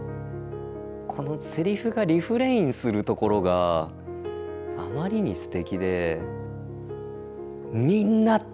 このセリフがリフレインするところがあまりにすてきで。